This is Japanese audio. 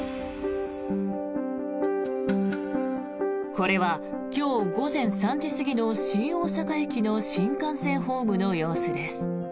これは今日午前３時過ぎの新大阪駅の新幹線ホームの様子です。